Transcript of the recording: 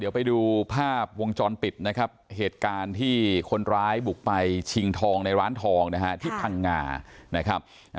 ไปดูภาพวงจรปิดเหตุการณ์ที่คนร้ายบุกไปชิงทองในร้านทองที่พังงา